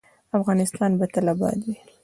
افغانستان به تل اباد وي